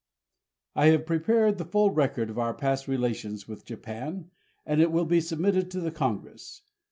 I have prepared the full record of our past relations with Japan, and it will be submitted to the Congress.